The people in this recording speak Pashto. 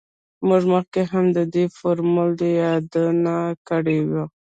موږ مخکې هم د دې فورمول یادونه کړې وه